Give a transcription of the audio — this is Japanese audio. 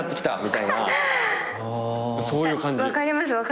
そういう感じ。